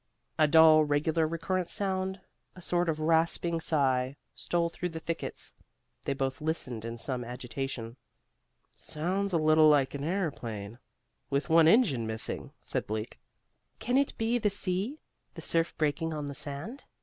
A dull, regular, recurrent sound, a sort of rasping sigh, stole through the thickets. They both listened in some agitation. "Sounds a little like an airplane, with one engine missing," said Bleak. "Can it be the sea, the surf breaking on the sand?"